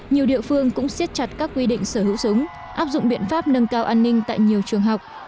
nhiều địa phương cũng xiết chặt các quy định sở hữu súng áp dụng biện pháp nâng cao an ninh tại nhiều trường học